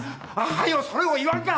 早うそれを言わんか！